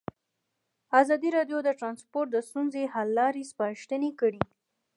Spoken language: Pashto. ازادي راډیو د ترانسپورټ د ستونزو حل لارې سپارښتنې کړي.